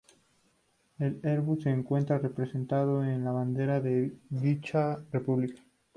El Elbrús se encuentra representado en la bandera de dicha república.